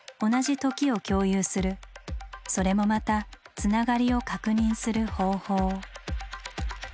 それもまたつながりを確認する方法。